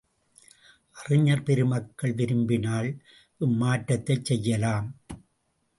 அறிஞர் பெருமக்கள் விரும்பினால் இம் மாற்றத்தைச் செய்யலாம்.